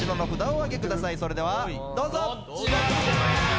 それではどうぞ。